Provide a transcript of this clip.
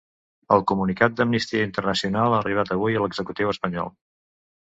El comunicat d'Amnistia Internacional ha arribat avui a l'executiu espanyol